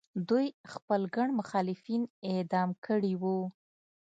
دوی خپل ګڼ مخالفین اعدام کړي وو.